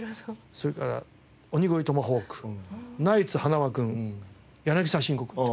それから鬼越トマホークナイツ塙君柳沢慎吾君と。